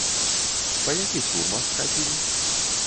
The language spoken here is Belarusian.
Па якіх турмах хадзілі?